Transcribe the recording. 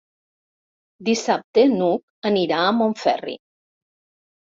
Dissabte n'Hug anirà a Montferri.